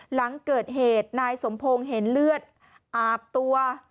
หลังเกิดเหตุนายสมพงศ์เห็นเลือดอาบตัว